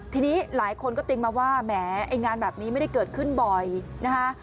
ทีนี้หลายคนก็ติ๊งมาว่าแหมไอ้งานแบบนี้ไม่ได้เกิดขึ้นบ่อยนะคะ